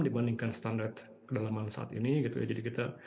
dibandingkan standar kedalaman saat ini